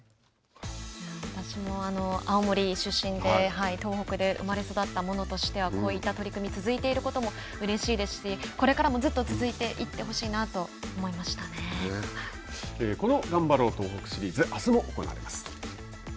私も青森出身で東北で生まれ育った者としてはこういった取り組み続いていることもうれしいですしこれからもずっと続いていってほしいなとこの「がんばろう東北シリーズ」あすも行われます。